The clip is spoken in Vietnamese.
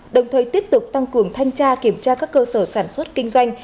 đồng thời tiếp tục tăng cường thanh tra kiểm tra các cơ sở sản xuất kinh doanh